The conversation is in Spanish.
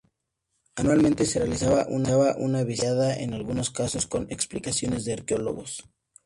Anualmente se realizaba una visita guiada, en algunos casos con explicaciones de arqueólogos.